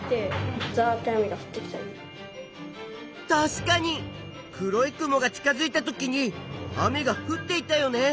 たしかに黒い雲が近づいたときに雨がふっていたよね。